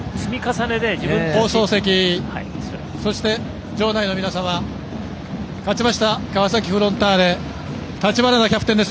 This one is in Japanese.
放送席、そして場内の皆様勝ちました、川崎フロンターレ橘田キャプテンです。